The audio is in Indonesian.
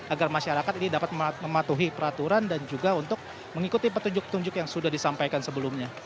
agar masyarakat ini dapat mematuhi peraturan dan juga untuk mengikuti petunjuk petunjuk yang sudah disampaikan sebelumnya